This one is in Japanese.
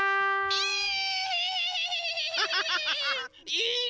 いいね！